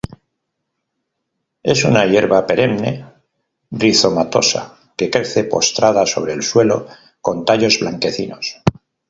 Es una hierba perenne, rizomatosa, que crece postrada sobre el suelo, con tallos blanquecinos.